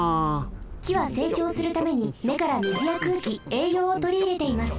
きはせいちょうするためにねからみずやくうきえいようをとりいれています。